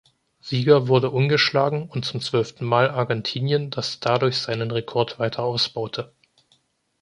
Sieger wurde ungeschlagen und zum zwölften Mal Argentinien, das dadurch seinen Rekord weiter ausbaute.